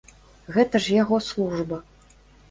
Гэта ж яго служба!